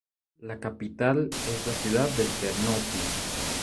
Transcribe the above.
La capital es la ciudad de Ternópil.